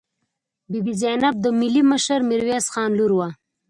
بي بي زینب د ملي مشر میرویس خان لور وه.